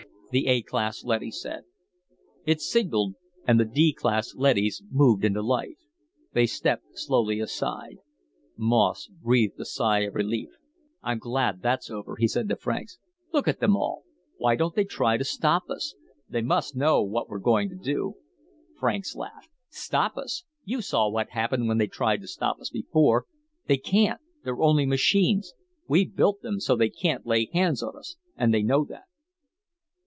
"As you wish," the A class leady said. It signaled and the D class leadys moved into life. They stepped slowly aside. Moss breathed a sigh of relief. "I'm glad that's over," he said to Franks. "Look at them all. Why don't they try to stop us? They must know what we're going to do." Franks laughed. "Stop us? You saw what happened when they tried to stop us before. They can't; they're only machines. We built them so they can't lay hands on us, and they know that."